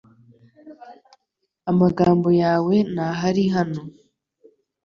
Amagambo yawe ntahari hano.